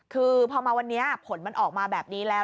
คือพอมาวันนี้ผลมันออกมาแบบนี้แล้ว